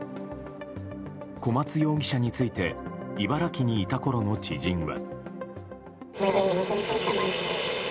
小松容疑者について茨城にいたころの知人は。